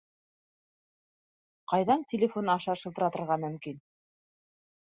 Ҡайҙан телефон аша шылтыратырға мөмкин?